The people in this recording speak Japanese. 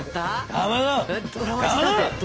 かまどシ！